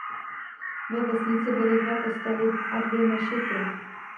Ve vesnici byly dva kostely a dvě mešity.